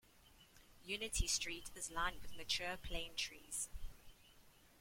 Unity Street is lined with mature plane trees.